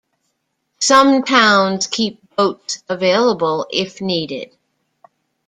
Some towns keep boats available if needed.